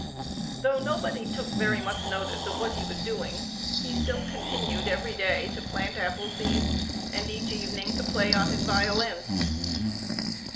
Though nobody took very much notice of what he was doing, he still continued each day to plant apple seeds and each evening to play on his violin.